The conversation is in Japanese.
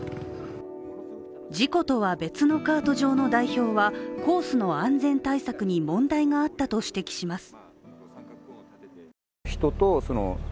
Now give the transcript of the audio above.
事故とは別のカート上場の代表はコースの安全対策に問題があったと指摘します。